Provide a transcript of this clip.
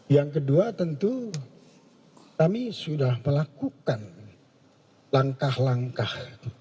yang kedua tentu kami sudah melakukan langkah langkah